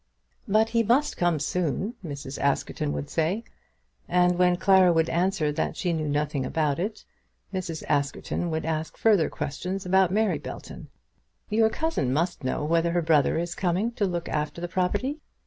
"But he must come soon," Mrs. Askerton would say. And when Clara would answer that she knew nothing about it, Mrs. Askerton would ask further questions about Mary Belton. "Your cousin must know whether her brother is coming to look after the property?"